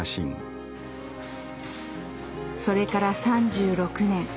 それから３６年。